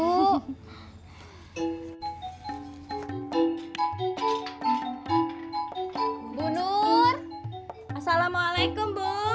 bunur assalamualaikum bu bunur assalamualaikum telepon aja